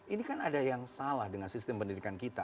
ini kan ada yang salah dengan sistem pendidikan kita